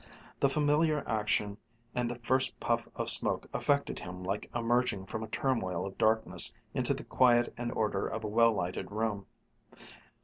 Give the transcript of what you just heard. The familiar action and the first puff of smoke affected him like emerging from a turmoil of darkness into the quiet and order of a well lighted room.